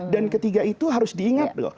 dan ketiga itu harus diingat